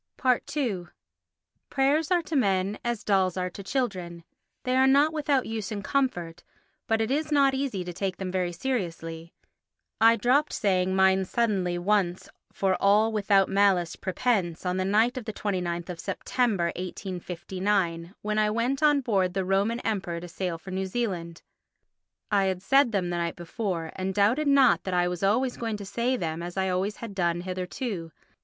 ii Prayers are to men as dolls are to children. They are not without use and comfort, but it is not easy to take them very seriously. I dropped saying mine suddenly once for all without malice prepense, on the night of the 29th of September, 1859, when I went on board the Roman Emperor to sail for New Zealand. I had said them the night before and doubted not that I was always going to say them as I always had done hitherto.